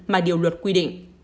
mà điều luật quy định